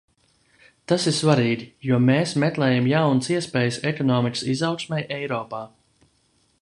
Tas ir svarīgi, jo mēs meklējam jaunas iespējas ekonomikas izaugsmei Eiropā.